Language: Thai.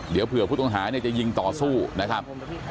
เดี๋ยวเผื่อผู้ต้องหาเนี่ยจะยิงต่อสู้นะครับ